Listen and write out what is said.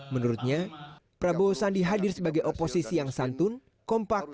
menurutnya prabowo sandi hadir sebagai oposisi yang santun kompak